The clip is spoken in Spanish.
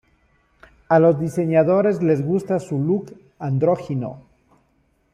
A los diseñadores les gusta su look andrógino.